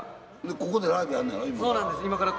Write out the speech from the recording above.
ここでライブやんのやろ今から。